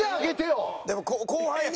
でも後輩に。